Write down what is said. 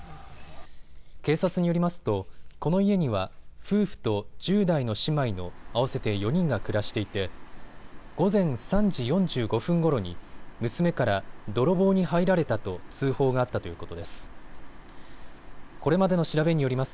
警察によりますと、この家には夫婦と１０代の姉妹の合わせて４人が暮らしていて午前３時４５分ごろに娘から泥棒に入られたと通報があったということです。